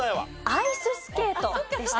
アイススケートでした。